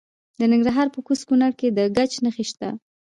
د ننګرهار په کوز کونړ کې د ګچ نښې شته.